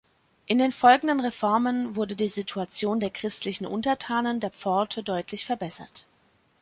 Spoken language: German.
In den folgenden Reformen wurde die Situation der christlichen Untertanen der Pforte deutlich verbessert.